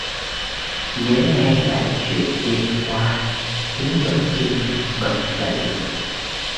Nhớ ngay lại chuyện đêm qua khiến cho chinh bật dậy